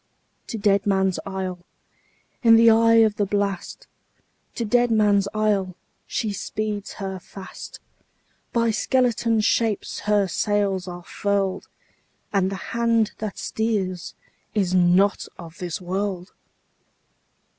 To Deadman's Isle, in the eye of the blast, To Deadman's Isle, she speeds her fast; By skeleton shapes her sails are furled, And the hand that steers is not of this world!